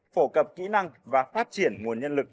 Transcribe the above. phổ cập kỹ năng và phát triển nguồn nhân lực